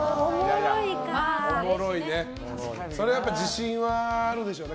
それは自信はあるでしょうね